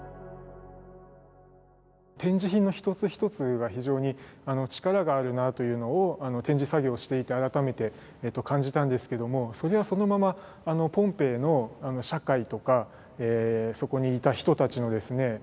展示品の一つ一つが非常に力があるなというのを展示作業をしていて改めて感じたんですけどもそれはそのままポンペイの社会とかそこにいた人たちのですね